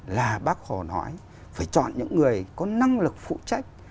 là bác hồ nói phải chọn những người có năng lực phụ trách